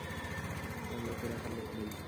আমি একে রাখার লোক নই।